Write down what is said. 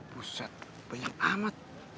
buset banyak amat